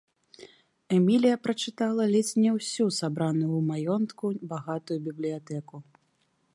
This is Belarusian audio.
Эмілія перачытала ледзь не ўсю сабраную ў маёнтку багатую бібліятэку.